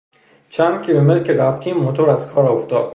چند کیلومتر که رفتیم موتور از کار افتاد.